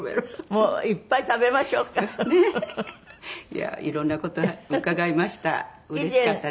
いやあいろんな事伺いました。